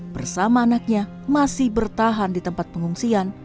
bersama anaknya masih bertahan di tempat pengungsian